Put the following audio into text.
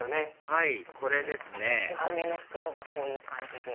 はいこれですねお米の袋がこういう感じで。